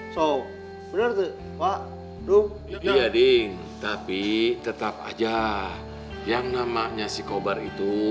jadi bener tuh pak duk iya ding tapi tetap aja yang namanya si kobar itu